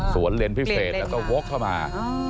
สวนเลนส์พิเศษแล้วก็โว๊คเข้ามา